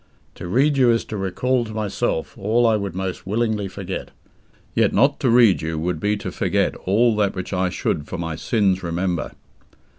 To read you is to recall to myself all I would most willingly forget; yet not to read you would be to forget all that which I should for my sins remember.